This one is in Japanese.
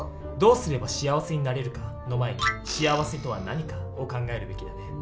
「どうすれば幸せになれるか？」の前に「幸せとは何か？」を考えるべきだね。